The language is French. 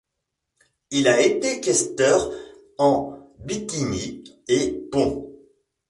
Il a été questeur en Bithynie et Pont.